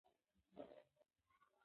د اصفهان د فتحې خبر ټولې نړۍ ته ورسېد.